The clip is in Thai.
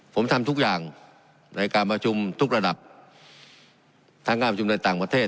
ผมทำทุกอย่างในกล้ามาชุมกลุ่มทุกระดับทั้งกล้ามาชุมในต่างประเทศ